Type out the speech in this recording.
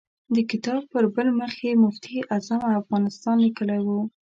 د کتاب پر بل مخ یې مفتي اعظم افغانستان لیکلی و.